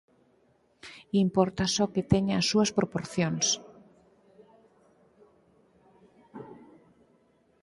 importa só que teña as súas proporcións.